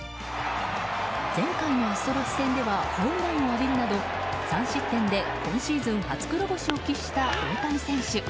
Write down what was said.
前回のアストロズ戦ではホームランを浴びるなど３失点で今シーズン初黒星を喫した大谷選手。